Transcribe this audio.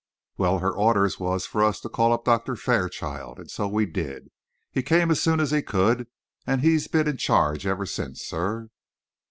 Well, her orders was for us to call up Doctor Fairchild, and so we did. He came as soon as he could, and he's been in charge ever since, sir."